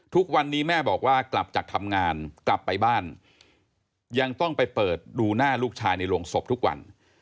ทุกวันนี้แม่บอกว่ากลับจากทำงานกลับไปบ้านยังต้องไปเปิดดูหน้าลูกชายในโรงศพทุกวัน